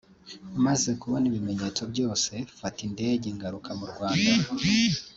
maze kubona ibimenyetso byose mfata indege ngaruka mu Rwanda